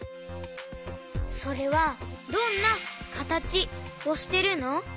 それはどんなかたちをしてるの？